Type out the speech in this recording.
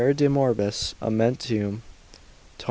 de morb. amentium to.